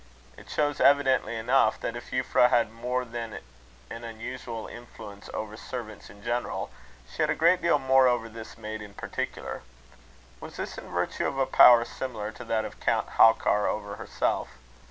It shows evidently enough, that if Euphra had more than a usual influence over servants in general, she had a great deal more over this maid in particular. Was this in virtue of a power similar to that of Count Halkar over herself?